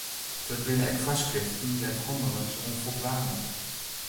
Der binne ek foarskriften dêr't hannelers oan foldwaan moatte.